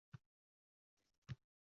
Bu charxpalak kabi takrorlanaveradi